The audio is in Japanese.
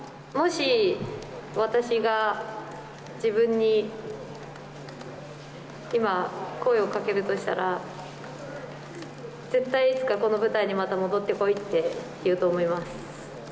もし、私が自分に今、声をかけるとしたら、絶対いつかこの舞台にまた戻ってこいって言うと思います。